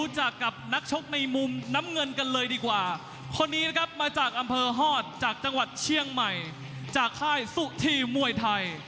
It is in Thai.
จากจังหวัดเชียงใหม่จากค่ายสู้ทีมวยไทย